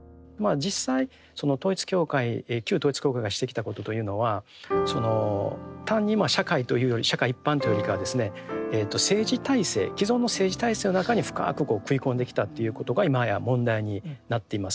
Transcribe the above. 実際その統一教会旧統一教会がしてきたことというのはその単にまあ社会というより社会一般というよりかはですね政治体制既存の政治体制の中に深くこう食い込んできたっていうことが今や問題になっています。